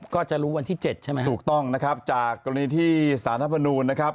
ก็จะรู้วันที่เจ็ดใช่ไหมถูกต้องนะครับจากกรณีที่สารธรรมนูลนะครับ